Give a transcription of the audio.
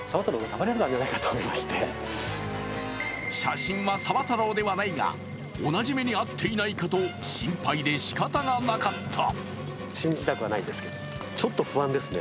写真は沢太郎ではないが同じ目に遭っていないかと心配でしかたがなかった。